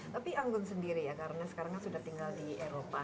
tapi anggun sendiri ya karena sekarang kan sudah tinggal di eropa